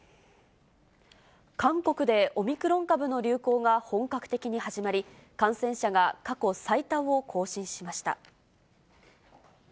韓国でオミクロン株の流行が本格的に始まり、感染者が過去最多を更新しました。